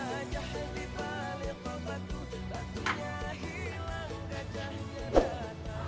masa ada pembeli gak